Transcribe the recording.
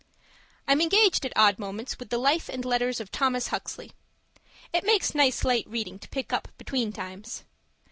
I'm engaged at odd moments with the Life and Letters of Thomas Huxley it makes nice, light reading to pick up between times.